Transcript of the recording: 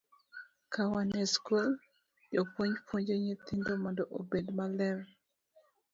Ka wan e skul, jopuonj puonjo nyithindo mondo obed maler.